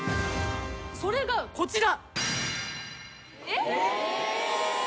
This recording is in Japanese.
それがこちら。